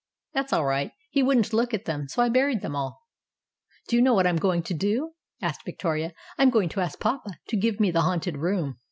"That's all right. He wouldn't look at them. So I buried them all !" "Do you know what I'm going to do?" asked Vic toria. "I'm going to ask papa to give me the haunted room.